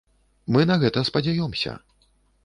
Мы на гэта спадзяёмся.